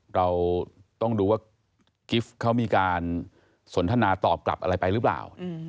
เราต้องดูว่ากิฟต์เขามีการสนทนาตอบกลับอะไรไปหรือเปล่า